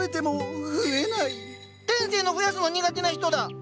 天性の増やすの苦手な人だ！